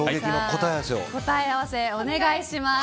答え合わせ、お願いします。